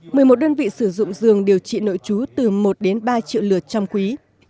các bệnh nhân có thể sử dụng dường điều trị nội trú từ một đến ba triệu lượt trong quý